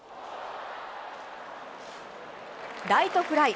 ライトフライ。